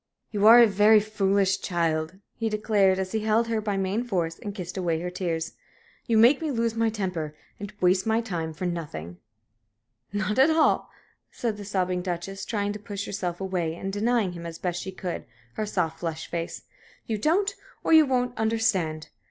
"You are a very foolish child," he declared, as he held her by main force and kissed away her tears. "You make me lose my temper and waste my time for nothing." "Not at all," said the sobbing Duchess, trying to push herself away, and denying him, as best she could, her soft, flushed face. "You don't, or you won't, understand!